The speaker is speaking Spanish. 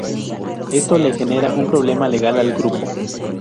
Esto le genera un problema legal al grupo.